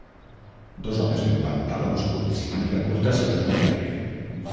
Dos homes en pantalons curts i màniga curta salten per l'aire